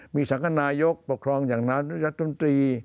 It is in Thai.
มีสังคนายกปกครองอย่างนั้นรัฐมนตรี